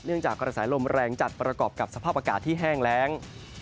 เนื่องจากกระสายลมแรงจัดประกอบกับสภาพอากาศที่แห้งแล้ง